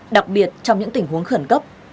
đặc biệt trong những tình huống khẩn cấp